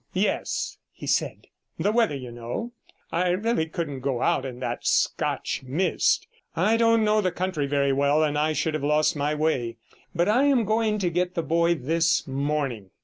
'Yes,' he said, 'the weather, you know. I really couldn't go out in that Scotch mist; I don't know the country very well, and I should have lost my way. But I am going to get the boy this morning.'